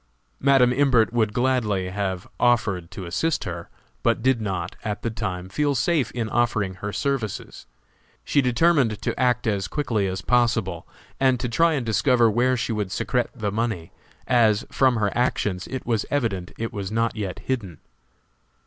Madam Imbert would gladly have offered to assist her, but did not, at the time, feel safe in offering her services. She determined to act as quickly as possible, and to try and discover where she would secrete the money, as, from her actions, it was evident it was not yet hidden.